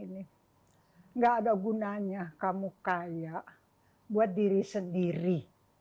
tidak ada gunanya kamu kaya buat diri sendiri